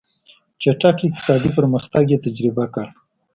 چټک اقتصادي پرمختګ یې تجربه کړ.